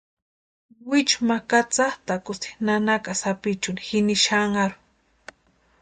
Wichu ma katsatʼakusti nanaka sapichuni jini xanharu.